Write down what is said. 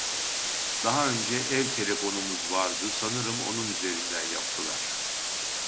Daha önce ev telefonumuz vardı sanırım onun üzerinden yaptılar